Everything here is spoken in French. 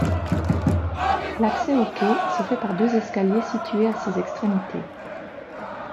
L'accès au quai se fait par deux escaliers situés à ses extrémités.